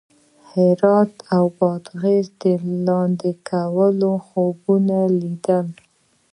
هرات او بادغیس د لاندې کولو خوبونه لیدل.